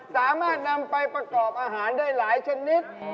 สามารถนำไปประกอบอาหารได้หลายชนิด